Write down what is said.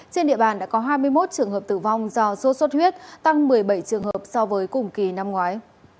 trên địa bàn đã có hai mươi một trường hợp tử vong do sốt xuất huyết tăng một mươi bảy trường hợp so với cùng kỳ năm ngoái